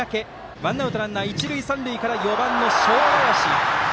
ワンアウトランナー、一塁三塁から４番の正林。